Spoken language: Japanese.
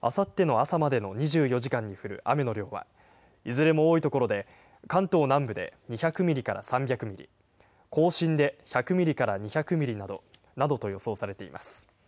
あさっての朝までの２４時間に降る雨の量は、いずれも多い所で関東南部で２００ミリから３００ミリ、甲信で１００ミリから２００ミリなどと予想されています。